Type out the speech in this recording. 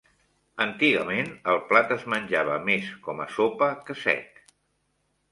Antigament, el plat es menjava més com a sopa que sec.